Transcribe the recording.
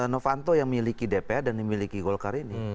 novanto yang miliki dpr dan yang miliki golkar ini